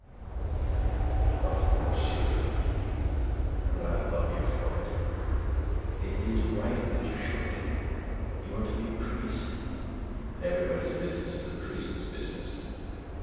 "Of course you do, and I love you for it. It is right that you should. You are to be a priest; and everybody's business is a priest's business.